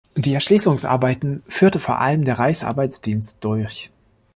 Die Erschließungsarbeiten führte vor allem der Reichsarbeitsdienst durch.